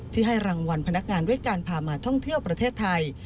ให้รางวัลพนักงานด้วยการพามาท่องเที่ยวประเทศไทย